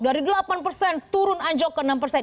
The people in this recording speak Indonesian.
dari delapan persen turun anjok ke enam persen